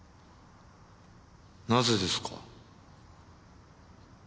なぜですか？